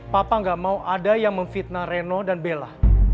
papa gak mau ada yang memfitnah reno dan bella